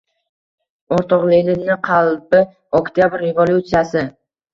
O’rtoq Leninni qalbi Oktyabr revolyutsiyasi...